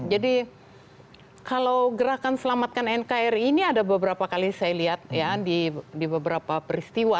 jadi kalau gerakan selamatkan nkri ini ada beberapa kali saya lihat ya di beberapa peristiwa